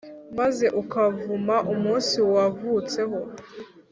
maze ukavuma umunsi wavutseho